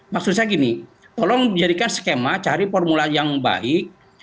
maksud saya gini tolong jadikan skema cari formula yang baik